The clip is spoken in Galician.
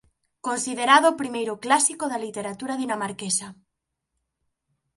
Considerado o primeiro clásico da literatura dinamarquesa.